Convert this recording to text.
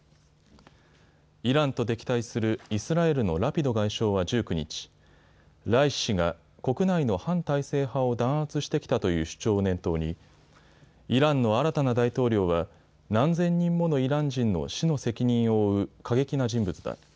イランと敵対するイスラエルのラピド外相は１９日、ライシ師が国内の反体制派を弾圧してきたという主張を念頭にイランの新たな大統領は何千人ものイラン人の死の責任を負う過激な人物だ。